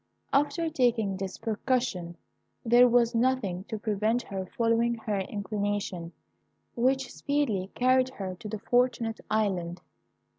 After taking this precaution, there was nothing to prevent her following her inclination, which speedily carried her to the Fortunate Island.